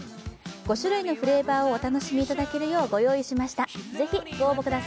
５種類のフレーバーをお楽しみいただけるようご用意しました。